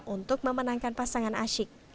untuk memenangkan pasangan asyik